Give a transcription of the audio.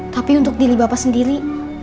tapi untuk diri bapak sendiri